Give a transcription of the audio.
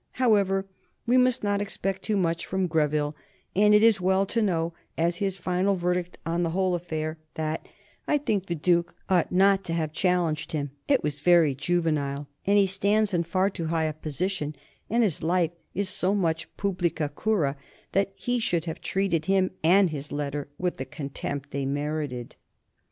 However, we must not expect too much from Greville, and it is well to know, as his final verdict on the whole affair, that "I think the Duke ought not to have challenged him; it was very juvenile, and he stands in far too high a position, and his life is so much publica cura that he should have treated him and his letter with the contempt they merited."